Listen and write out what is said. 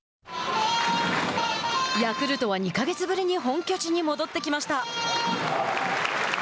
ヤクルトは２か月ぶりに本拠地に戻ってきました。